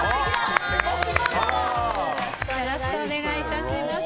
よろしくお願いします。